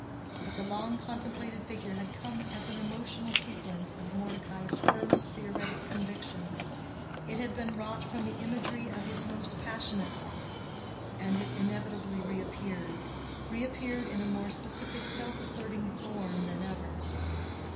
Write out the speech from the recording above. But the long contemplated figure had come as an emotional sequence of Mordecai's firmest theoretic convictions; it had been wrought from the imagery of his most passionate life; and it inevitably reappeared—reappeared in a more specific self asserting form than ever.